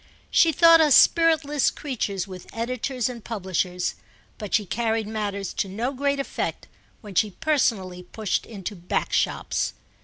She thought us spiritless creatures with editors and publishers; but she carried matters to no great effect when she personally pushed into back shops.